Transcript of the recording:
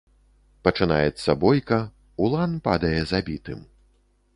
Пачынаецца бойка, улан падае забітым.